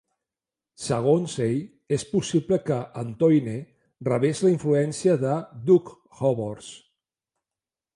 Segons ell, és possible que Antoine rebés la influència de dukhobors.